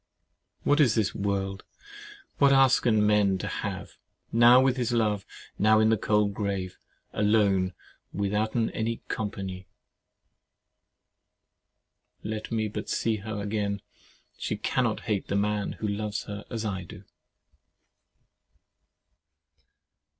"What is this world? What asken men to have, Now with his love, now in the cold grave, Alone, withouten any compagnie!" Let me but see her again! She cannot hate the man who loves her as I do.